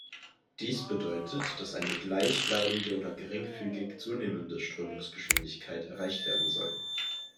Dies bedeutet, dass eine gleich bleibende oder geringfügig zunehmende Strömungsgeschwindigkeit erreicht werden soll.